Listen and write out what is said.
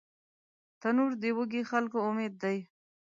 تنور د وږي خلکو امید دی